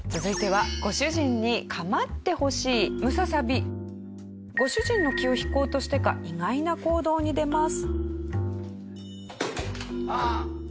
続いてはご主人の気を引こうとしてか意外な行動に出ます。